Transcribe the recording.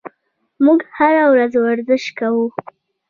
موږ هره ورځ ورزش کوو.